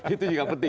itu juga penting